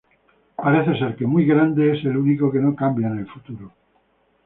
Parece ser que Muy Grande es el único que no cambia en el futuro.